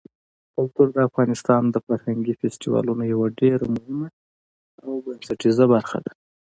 کلتور د افغانستان د فرهنګي فستیوالونو یوه ډېره مهمه او بنسټیزه برخه ده.